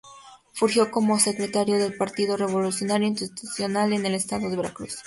Fungió como secretario del Partido Revolucionario Institucional en el Estado de Veracruz.